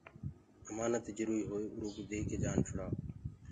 امآنت جروئي هوئي اروئو ديڪي جآن ڇڙائو